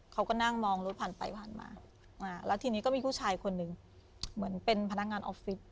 เขาก็นั่งมองรถผ่านไปผ่านมาแล้วทีนี้ก็มีผู้ชายคนหนึ่งเหมือนเป็นพนักงานออฟฟิศ